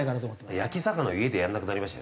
焼き魚を家でやらなくなりましたよね。